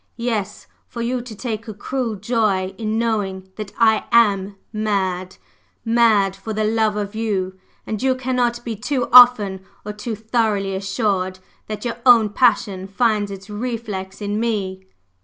yes, for you to take a cruel joy in knowing that I am mad mad for the love of you! And you cannot be too often or too thoroughly assured that your own passion finds its reflex in me!"